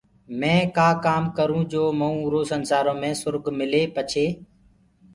مي ڪآ ڪآم ڪروٚنٚ جو مئوٚنٚ اُرو سنسآرو مي سُرگ ملي پڇي